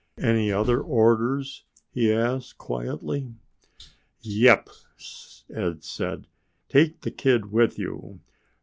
"Any other orders?" he asked quietly. "Yep!" Ed said. "Take the kid with you.